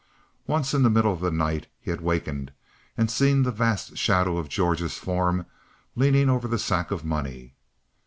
Once, in the middle of the night, he had wakened and seen the vast shadow of George's form leaning over the sack of money.